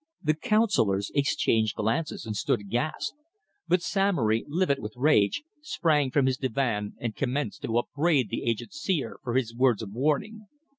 The councillors exchanged glances and stood aghast, but Samory, livid with rage, sprang from his divan and commenced to upbraid the aged seer for his words of warning.